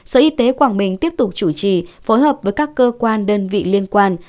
sở y tế quảng bình tiếp tục chủ trì phối hợp với các cơ quan đơn vị liên quan